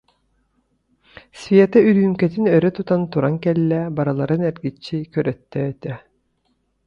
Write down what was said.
Света үрүүмкэтин өрө тутан туран кэллэ, барыларын эргиччи көрөттөөтө: